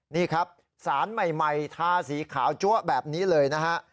นี่ครับศาลใหม่ทาสีขาวเจ้าแบบนี้เลย